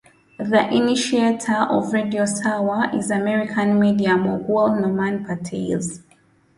The initiator of Radio Sawa is American media mogul Norman Pattiz.